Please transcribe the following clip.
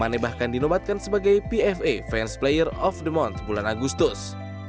vane bahkan dinobatkan sebagai pfa fans player of the mont bulan agustus